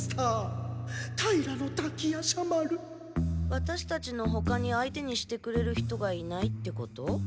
ワタシたちのほかに相手にしてくれる人がいないってこと？